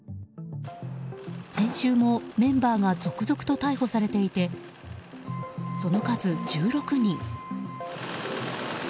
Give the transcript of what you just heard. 先週もメンバーが続々と逮捕されていてその数１６人。